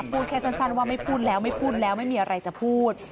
พูดแค่สั้นว่าไม่พูดแล้วไม่พูดแล้วไม่มีอะไรจะพูด